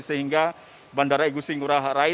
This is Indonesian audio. sehingga bandara igusti ngurah rai